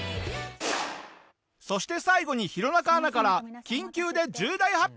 そして最後に弘中アナから緊急で重大発表が。